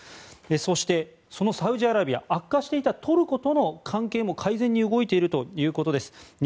そして、そのサウジアラビア悪化していたトルコとの関係も改善に動いているということです。